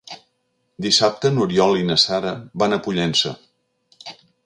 Dissabte n'Oriol i na Sara van a Pollença.